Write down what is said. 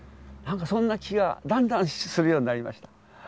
なんかそんな気がだんだんするようになりました。